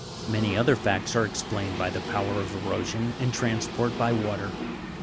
Many other facts are explained by the power of erosion and transport by water.